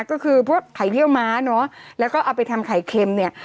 ก็คือพวกไข่เยี่ยวม้าเนอะแล้วก็เอาไปทำไข่เค็มเนี่ย